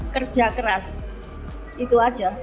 dan yakin itu